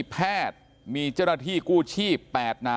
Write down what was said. ขอบคุณทุกคน